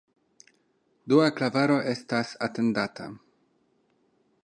Dua klavaro estas atendata.